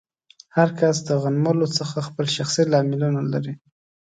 هر کس د غنملو څخه خپل شخصي لاملونه لري.